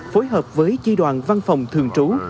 phối hợp với chi đoàn văn phòng thường trú